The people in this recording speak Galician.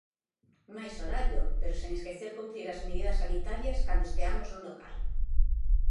Máis horario, pero sen esquecer cumprir as medidas sanitarias cando esteamos nun local.